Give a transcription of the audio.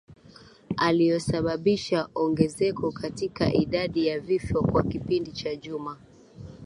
uliosababisha ongezeko katika idadi ya vifo kwa kipindi cha juma